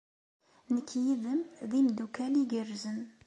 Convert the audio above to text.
Nekk yid-m d imeddukal igerrzen.